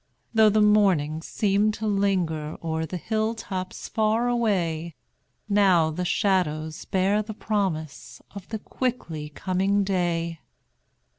Though the morning seemed to linger O'er the hill tops far away, Now the shadows bear the promise Of the quickly coming day.